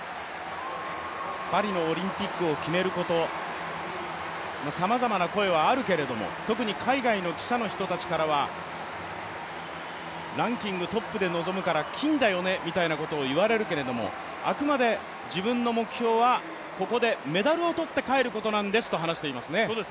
パリのオリンピックを決めること、さまざまな声はあるけれども、特に海外の記者の人たちからはランキングトップで臨むから金だよねみたいなことを言われるけれども、あくまで自分の目標はここでメダルを取って帰ることなんですと話していますね。